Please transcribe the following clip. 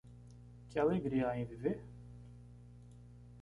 Que alegria há em viver?